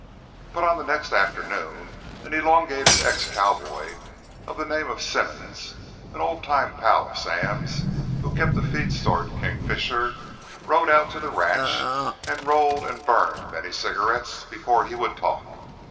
But on the next afternoon an elongated ex cowboy of the name of Simmons, an old time pal of Sam's, who kept a feed store in Kingfisher, rode out to the ranch and rolled and burned many cigarettes before he would talk.